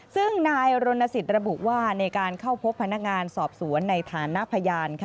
ซึ่งนายรณสิทธิระบุว่าในการเข้าพบพนักงานสอบสวนในฐานะพยาน